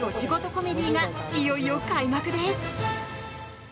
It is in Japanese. コメディーがいよいよ開幕です。